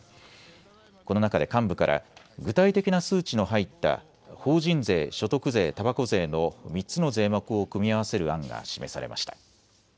この中で幹部から具体的な数値の入った法人税、所得税、たばこ税の３つの税目を組み合わせる案が示されました。